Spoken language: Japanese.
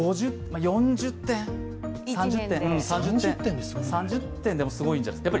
４０点、３０点でもすごいんじゃないですか。